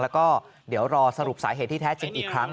แล้วก็เดี๋ยวรอสรุปสาเหตุที่แท้จริงอีกครั้ง